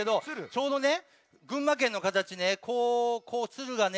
ちょうどね群馬県のかたちねこうツルがね